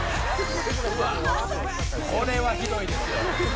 「うわっこれはひどいですよ」